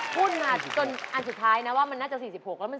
ภูมิมากสุดอันสุดท้ายนะว่าน่าจะ๔๖แล้วมัน๔๖โครงจริง